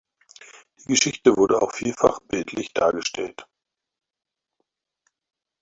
Die Geschichte wurde auch vielfach bildlich dargestellt.